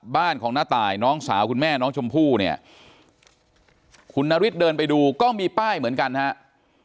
บ้านของน้าตายน้องสาวคุณแม่น้องชมพู่เนี่ยคุณนฤทธิเดินไปดูก็มีป้ายเหมือนกันครับ